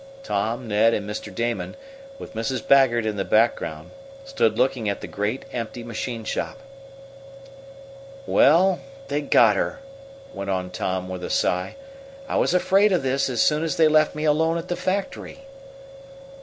Tom, Ned, and Mr. Damon, with Mrs. Baggert in the background, stood looking at the great empty machine shop. "Well, they got her," went on Tom, with a sigh. "I was afraid of this as soon as they left me alone at the factory."